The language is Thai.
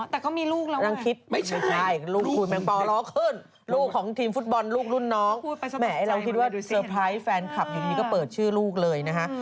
แต่ก็มีลูกแล้วเหรอไม่ใช่ลูกของทีมฟุตบอลลูกรุ่นน้องแหม่เราคิดว่าสเตอร์ไพรส์แฟนคลับอยู่ที่นี่ก็เปิดชื่อลูกเลยนะฮะ